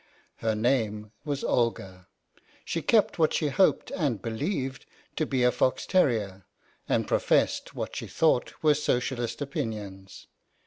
Her name was Olga ; she kept what she hoped and believed to be a fox terrier, and professed what she thought were Socialist opinions.